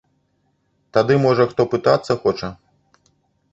Тады можа хто пытацца хоча?